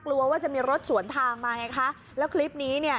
กลัวว่าจะมีรถสวนทางมาไงคะแล้วคลิปนี้เนี่ย